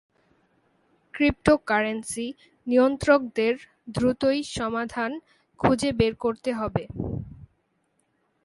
Cryptocurrency নিয়ন্ত্রকদের দ্রুতই সমাধান খুঁজে বের করতে হবে।